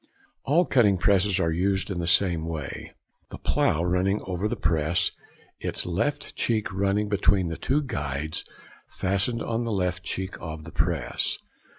] All cutting "presses" are used in the same way. The plough running over the press, its left cheek running between two guides fastened on the left cheek of the press.